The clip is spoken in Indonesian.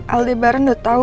aldebaran udah tau